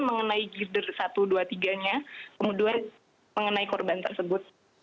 mengenai gider satu dua tiga nya kemudian mengenai korban tersebut